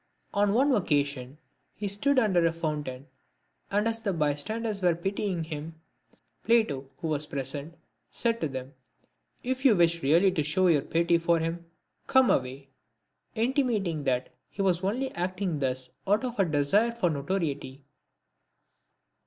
On one occasion he stood under a foun 232 LIVES OF EMINENT PHILOSOPHERS. tain, and as the bystanders were pitying him, Plato, who was present, said to them, "If you wish really to show your pity for him, come away ;" intimating that he was only acting thus out of a desire for notoriety.